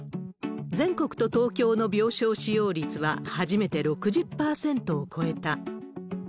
全国と東京の病床使用率は、初めて６０％を超えた。